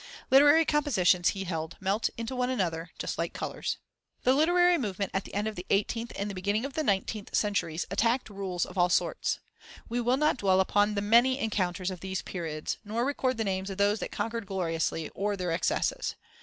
Literary compositions, he held, melt into one another, just like colours. The literary movement of the end of the eighteenth and the beginning of the nineteenth centuries attacked rules of all sorts. We will not dwell upon the many encounters of these periods, nor record the names of those that conquered gloriously, or their excesses.